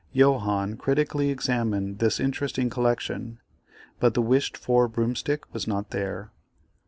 Johannes critically examined this interesting collection, but the wished for broomstick was not there.